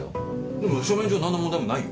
でも書類上何の問題もないよ？